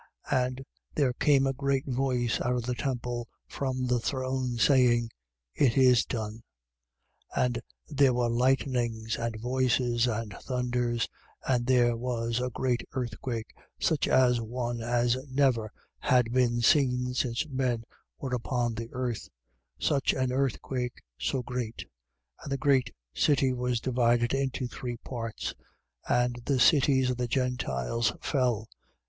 And there came a great voice out of the temple from the throne, saying: It is done. 16:18. And there were lightnings and voices and thunders: and there was a great earthquake, such an one as never had been since men were upon the earth, such an earthquake, so great. 16:19. And the great city was divided into three parts: and the cities of the Gentiles fell.